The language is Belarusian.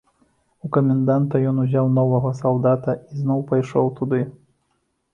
У каменданта ён узяў новага салдата і зноў пайшоў туды.